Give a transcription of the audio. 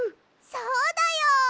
そうだよ！